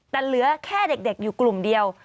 แต่เหลือแค่เด็กอยู่กลุ่มเดียว